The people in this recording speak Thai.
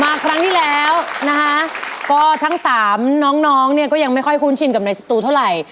ครั้งที่แล้วนะคะก็ทั้งสามน้องน้องเนี่ยก็ยังไม่ค่อยคุ้นชินกับในสตูเท่าไหร่